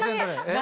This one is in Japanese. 何？